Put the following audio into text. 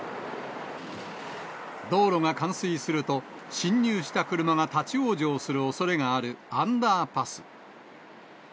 道路が冠水すると、進入した車が立往生するおそれがあるアンダーパス。